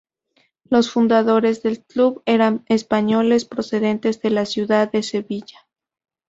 Los fundadores del club eran españoles, procedentes de la ciudad de Sevilla.